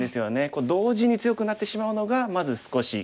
同時に強くなってしまうのがまず少し悔しい。